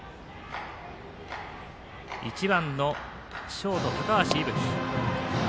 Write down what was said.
１番のショート高橋歩希。